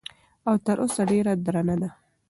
او تر تاسو ډېره درنه ده